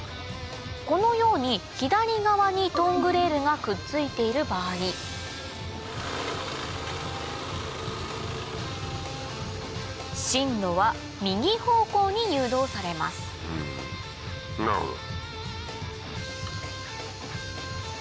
このように左側にトングレールがくっついている場合進路は右方向に誘導されますなるほど。